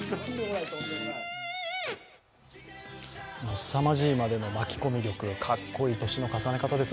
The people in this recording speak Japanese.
すさまじいまでの巻き込み力、かっこいい年の重ね方です。